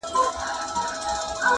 غلیمان د پایکوبونو به په ګور وي!.